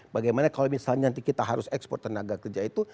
bagaimana kalau misalnya nanti kita harus ekspor tenaga kerja itu